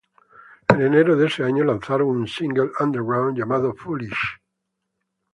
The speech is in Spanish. En Enero de ese año lanzaron un single underground llamado "Foolish".